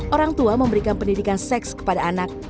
orang tua memberikan pendidikan seks kepada anak